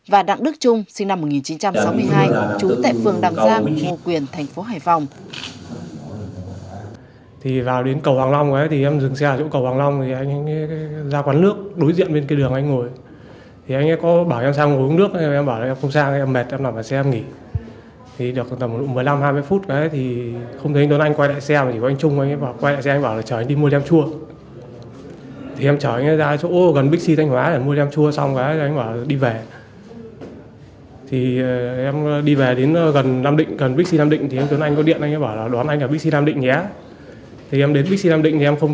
và đặng đức trung sinh năm một nghìn chín trăm sáu mươi hai chú tại phường đăng giang hồ quyền thành phố hải phòng